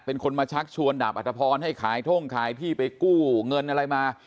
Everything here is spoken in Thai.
เป็นคนมาชักชวนดาบอัตภพรให้ขายท่งขายที่ไปกู้เงินอะไรมา